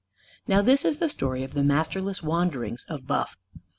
Now this is the story of the masterless wanderings of Buff.